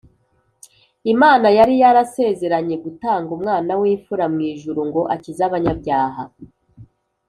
Imana yari yarasezeranye gutanga Umwana w’imfura w’ijuru ngo akize abanyabyaha